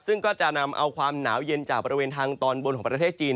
ซึ่งก็จะนำเอาความหนาวเย็นจากบริเวณทางตอนบนของประเทศจีน